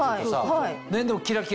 はい。